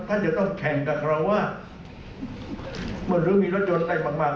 ท่านจะต้องแข่งกับเขาว่ามันหรือมีรถยนต์ใดมาก